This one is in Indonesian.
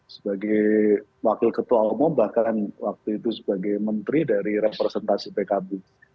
sebagai wakil ketua umum bahkan waktu itu sebagai menteri dari representasi pkb